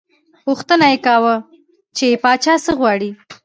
پوښتنه یې کاوه، چې پاچا څه غواړي.